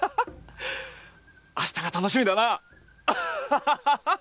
明日が楽しみだな！